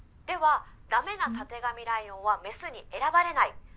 では駄目なたてがみライオンは雌に選ばれない。